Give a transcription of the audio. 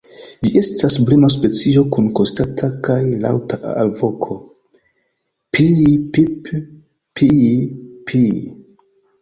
Ĝi estas bruema specio, kun konstanta kaj laŭta alvoko "pii-pip-pii-pii".